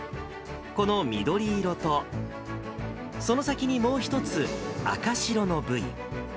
この緑色と、その先にもう１つ、赤白のブイ。